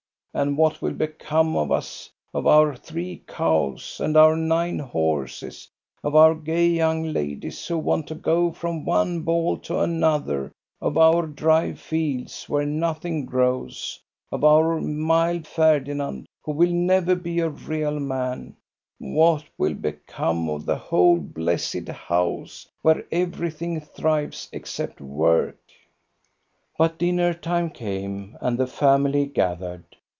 And what will become of us, of our three cows, and our nine horses, of our gay young ladies who want to go from one ball to another, of our dry fields where nothing grows, of our mild Ferdinand, who will never be a real man,' What will become of the whole blessed house, where everything thrives except work ?" But dinner time came, and the family gathered.